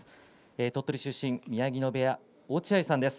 鳥取出身、宮城野部屋落合さんです。